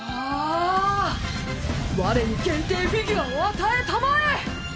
我に限定フィギュアを与えたまえ！